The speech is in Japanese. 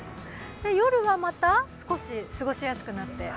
夜はまた少し過ごしやすくなって。